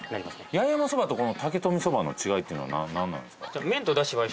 八重山そばと竹富そばの違いってのは何なんですか？